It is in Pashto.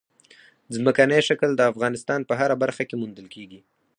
ځمکنی شکل د افغانستان په هره برخه کې موندل کېږي.